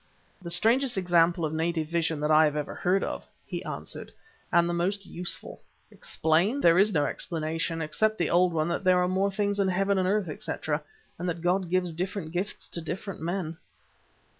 "The strangest example of native vision that I have ever heard of," he answered, "and the most useful. Explain! There is no explanation, except the old one that there are more things in heaven and earth, etc., and that God gives different gifts to different men."